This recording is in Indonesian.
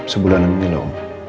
sebulan ini loh